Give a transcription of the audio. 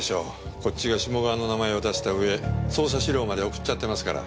こっちが志茂川の名前を出した上捜査資料まで送っちゃってますから。